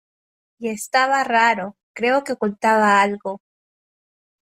y estaba raro. creo que ocultaba algo .